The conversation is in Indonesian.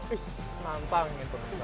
ish mantang itu